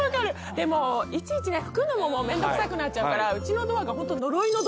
でもういちいち拭くのも面倒くさくなっちゃうからうちのドアがホント。